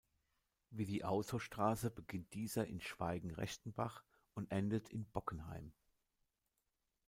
Wie die Autostraße beginnt dieser in Schweigen-Rechtenbach und endet in Bockenheim.